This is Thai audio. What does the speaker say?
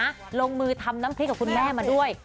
แล้วคุณผู้ชมมือทำน้ำพริกกับคุณแม่มาด้วย